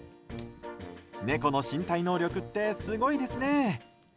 猫の身体能力ってすごいですね。